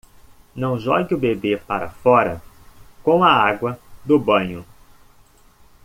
Não jogue o bebê para fora com a água do banho.